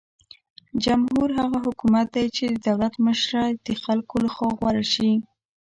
جمهور هغه حکومت دی چې د دولت مشره د خلکو لخوا غوره شي.